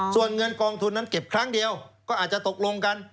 ส่วนเงินกองทุนนั้นเก็บครั้งเดียวก็อาจจะตกลงกัน